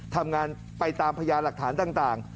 ทำงานไปตามพยานหลักฐานต่าง